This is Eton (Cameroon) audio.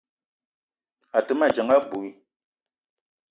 A te ma dzeng abui.